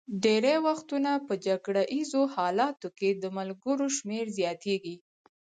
ډېری وختونه په جګړه ایزو حالاتو کې د ملګرو شمېر زیاتېږي.